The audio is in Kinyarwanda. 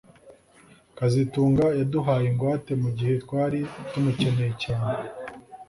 kazitunga yaduhaye ingwate mugihe twari tumukeneye cyane